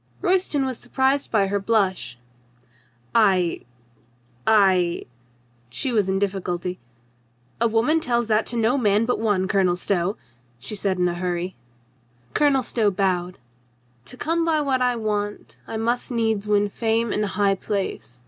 Royston was surprised by her blush. "I — I —" she was in difficulty — "a woman tells that to no man but one. Colonel Stow," she said in a hurry. Colonel Stow bowed. "To come by what I want I must needs win fame and high place.